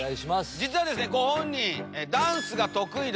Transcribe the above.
実はですねご本人。